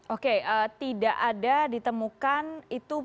oke tidak ada ditemukan itu